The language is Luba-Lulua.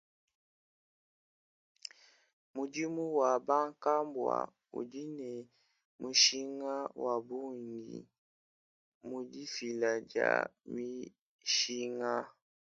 Mudimu wa bankambua udi ne mushinga wa bungi mu difila dia mishinga.